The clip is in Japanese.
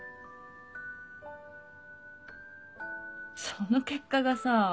その結果がさ。